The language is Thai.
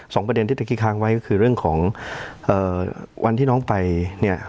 ประเด็นที่ตะกี้ค้างไว้ก็คือเรื่องของเอ่อวันที่น้องไปเนี่ย